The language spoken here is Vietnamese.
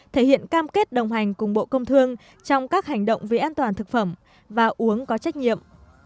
thể hiện cam kết đồng hành cùng bộ công thương trong các hành động vì an toàn thực phẩm và uống có trách nhiệm